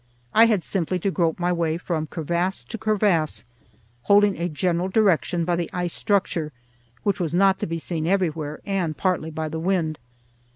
I had simply to grope my way from crevasse to crevasse, holding a general direction by the ice structure, which was not to be seen everywhere, and partly by the wind.